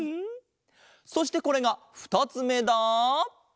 そしてこれがふたつめだ！